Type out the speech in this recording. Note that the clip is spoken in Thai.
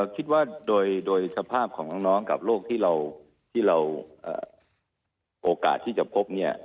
คิดว่าโดยสภาพของน้องกับโรคที่เราโอกาสที่จะพบเนี่ย